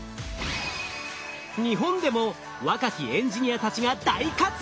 日本でも若きエンジニアたちが大活躍。